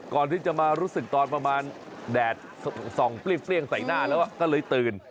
ก่อนที่จะมารู้สึกตอนประมาณแดดส่องเปรี้ยงใส่หน้าแล้วก็เลยตื่น